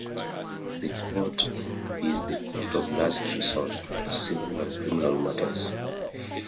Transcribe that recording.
The Court is the court of last resort for civil and criminal matters.